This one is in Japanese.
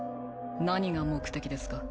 何が目的ですか？